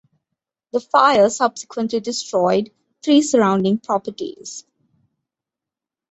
The fire subsequently destroyed three surrounding properties.